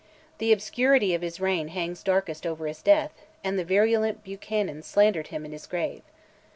The obscurity of his reign hangs darkest over his death, and the virulent Buchanan slandered him in his grave.